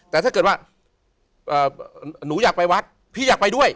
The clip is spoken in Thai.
แต่ถ้าเกิดว่าหนูอยากไปวัดพี่อยากไปด้วย